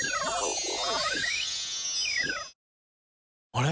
あれ？